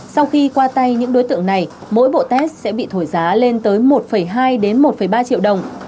sau khi qua tay những đối tượng này mỗi bộ test sẽ bị thổi giá lên tới một hai đến một ba triệu đồng